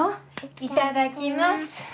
いただきます。